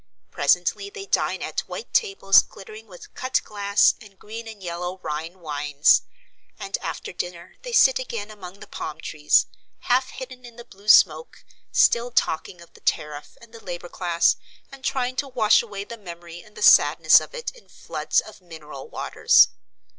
Presently they dine at white tables glittering with cut glass and green and yellow Rhine wines; and after dinner they sit again among the palm trees, half hidden in the blue smoke, still talking of the tariff and the labour class and trying to wash away the memory and the sadness of it in floods of mineral waters.